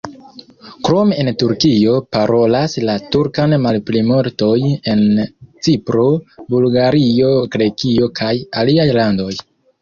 Krom en Turkio, parolas la turkan malplimultoj en Cipro, Bulgario, Grekio kaj aliaj landoj.